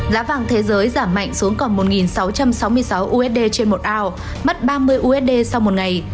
giá vàng thế giới giảm mạnh xuống còn một sáu trăm sáu mươi sáu usd trên một ao mất ba mươi usd sau một ngày